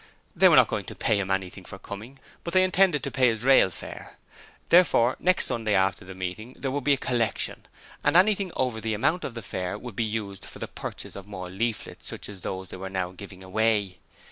They were not going to pay him anything for coming, but they intended to pay his railway fare. Therefore next Sunday after the meeting there would be a collection, and anything over the amount of the fare would be used for the purchase of more leaflets such as those they were now giving away.